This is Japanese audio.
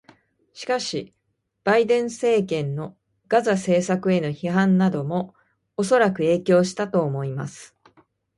しかし、バイデン政権のガザ政策への批判などもおそらく影響したと思います。